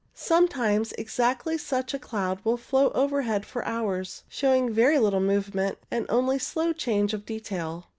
Sometimes exactly such a cloud will float overhead for hours, showing very little movement and only slow changes of detail.